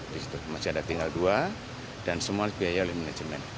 di situ masih ada tinggal dua dan semua dibiayai oleh manajemen